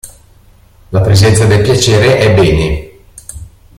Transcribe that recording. La presenza del piacere è bene.